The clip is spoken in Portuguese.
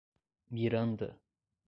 Miranda